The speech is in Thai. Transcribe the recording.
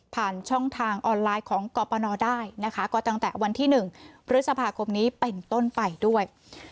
ผ่านช่องทางออนไลน์ของกรปนได้นะคะก็ตั้งแต่วันที่๑พฤษภาคมนี้เป็นต้นไปด้วย